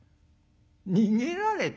「逃げられた？」。